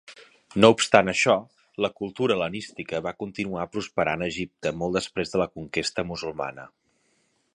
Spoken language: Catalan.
No obstant això, la cultura Hel·lenística va continuar prosperant a Egipte molt després de la conquesta musulmana.